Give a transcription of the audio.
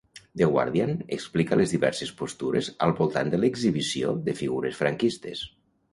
The Guardian explica les diverses postures al voltant de l’exhibició de figures franquistes.